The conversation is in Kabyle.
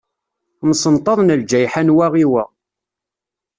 Msenṭaḍen ljayḥa n wa i wa.